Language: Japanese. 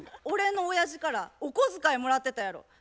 「俺のおやじからお小遣いもらってたやろ。